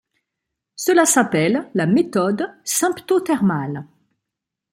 Cela s'appelle la méthode symptothermale.